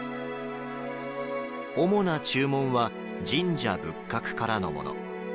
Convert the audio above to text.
主な注文は神社仏閣からのもの。